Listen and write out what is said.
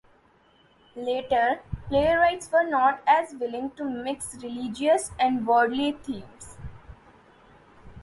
Later playwrights were not as willing to mix religious and worldly themes.